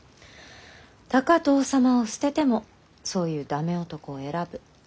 高藤様を捨ててもそういう駄目男を選ぶ。